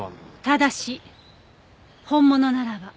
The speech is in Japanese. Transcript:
ただし本物ならば。